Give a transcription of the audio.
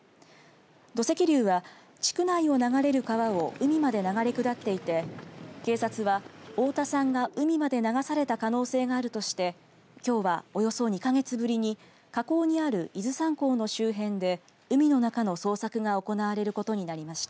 土石流は地区内を流れる川を海まで流れ下っていて警察は、太田さんが海まで流された可能性があるとしてきょうは、およそ２か月ぶりに河口にある伊豆山港の周辺で海の中の捜索が行われることになりました。